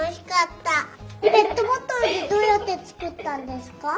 ペットボトルってどうやってつくったんですか？